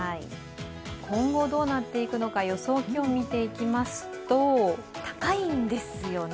今後、どうなっていくのか予想気温見ていきますと高いんですよね。